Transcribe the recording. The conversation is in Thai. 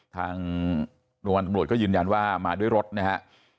ทางรวรรณตำรวจก็ยืนยันว่ามาด้วยรถนะฮะ